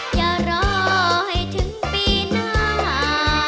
อย่ารอให้ถึงปีหน้า